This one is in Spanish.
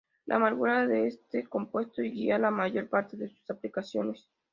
La amargura de este compuesto guía la mayor parte de sus aplicaciones.